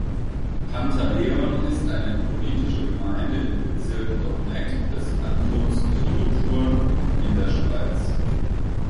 Pantaleon ist eine politische Gemeinde im Bezirk Dorneck des Kantons Solothurn in der Schweiz.